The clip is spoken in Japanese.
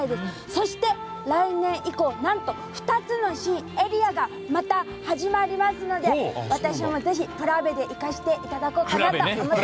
そして、来年以降なんと、２つのエリアがまた、始まりますので私もぜひ、プラベでごめんなさい！